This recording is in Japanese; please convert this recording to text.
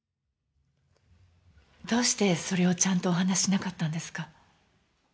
どうしてそれをちゃんとお話ししなかったんですか？